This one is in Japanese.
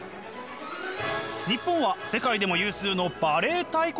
日本は世界でも有数のバレエ大国。